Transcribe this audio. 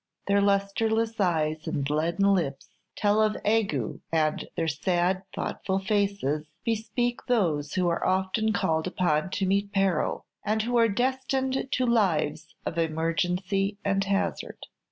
Their lustreless eyes and leaden lips tell of ague, and their sad, thoughtful faces bespeak those who are often called upon to meet peril, and who are destined to lives of emergency and hazard.